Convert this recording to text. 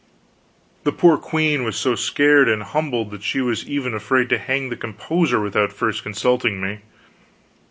The poor queen was so scared and humbled that she was even afraid to hang the composer without first consulting me.